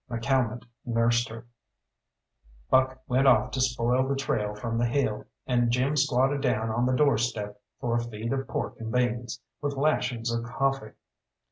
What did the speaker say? McCalmont nursed her, Buck went off to spoil the trail from the hill, and Jim squatted down on the doorstep for a feed of pork and beans, with lashings of coffee.